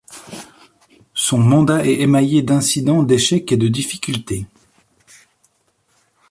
Son mandat est émaillé d'incidents, d'échecs et de difficultés.